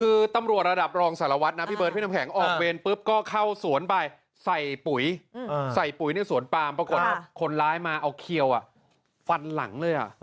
คือตำรวจระดับรองสารวัตน์นะพี่เบิร์ชพี่นำแข่ง